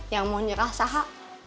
yang mau nyerah saha